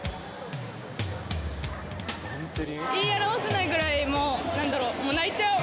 言い表せないぐらい、もうなんだろう、泣いちゃう。